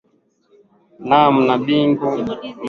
naam ni bingu mutharika rais wa malawi